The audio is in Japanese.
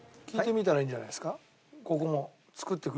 聞いてみたらいいんじゃないですか？